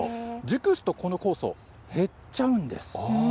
熟すとこの酵素、減っちゃうんです。